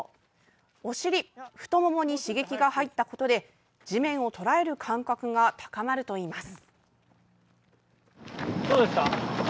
お尻、太ももに刺激が入ったことで地面をとらえる感覚が高まるといいます。